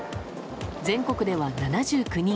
全国では７９人。